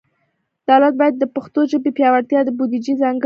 دولت باید د پښتو ژبې پیاوړتیا ته بودیجه ځانګړي کړي.